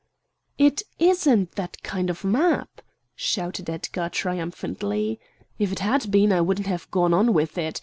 "It isn't that kind of map," shouted Edgar triumphantly. "If it had been, I wouldn't have gone on with it.